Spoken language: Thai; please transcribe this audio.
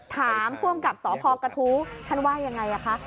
ถามผู้องกับสพกฑท่านว่ายังไงคะ